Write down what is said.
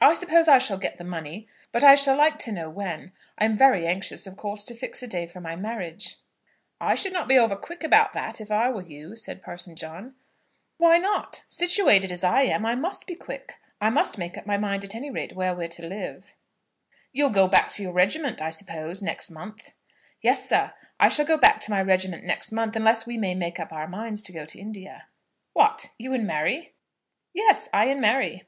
"I suppose I shall get the money, but I shall like to know when. I am very anxious, of course, to fix a day for my marriage." "I should not be over quick about that, if I were you," said Parson John. "Why not? Situated as I am, I must be quick. I must make up my mind at any rate where we're to live." "You'll go back to your regiment, I suppose, next month?" "Yes, sir. I shall go back to my regiment next month, unless we may make up our minds to go out to India." "What, you and Mary?" "Yes, I and Mary."